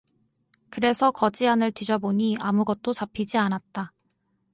그래서 거지 안을 뒤져 보니 아무것도 잡히지 않았다.